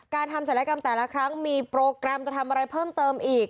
การทำศัลยกรรมแต่ละครั้งมีโปรแกรมจะทำอะไรเพิ่มเติมอีก